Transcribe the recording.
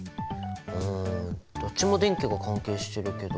うんどっちも電気が関係してるけど。